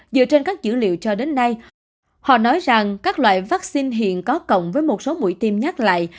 dựa trên các dữ liệu cho đến nay họ nói rằng các loại vaccine hiện có cộng với một số mũi tiêm nhắc lại